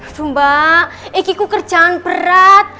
iya mbak kikiku kerjaan berat